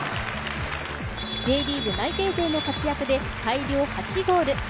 Ｊリーグ内定勢の活躍で合計８ゴール。